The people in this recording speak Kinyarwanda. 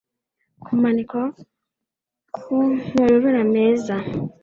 kumanikwa ku mayobera meza